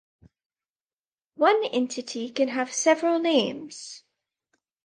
One entity can have several names.